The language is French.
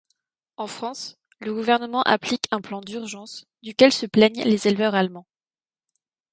En France, le gouvernement applique un plan d'urgence, duquel se plaignent les éleveurs allemands.